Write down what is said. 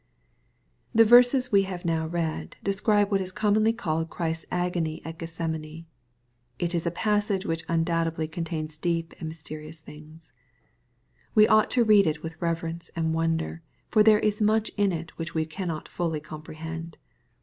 The verses we have now read, describe what is commonly called Christ's agony at Get];isemane. It is a passage which undoubtedly contains deep and mysterious things. We ought to read it with reverence and wonder, for there is much in it which we cannot fully comprehend.